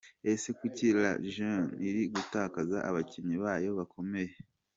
Ese kuki La Jeunesse iri gutakaza abakinnyi bayo bakomeye?.